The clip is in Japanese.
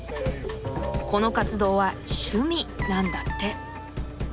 この活動は「趣味」なんだって。